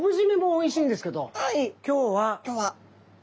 今日は。